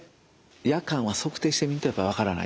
夜間は測定してみんとやっぱり分からないと。